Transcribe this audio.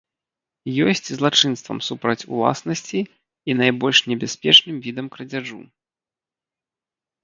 Ёсць злачынствам супраць уласнасці і найбольш небяспечным відам крадзяжу.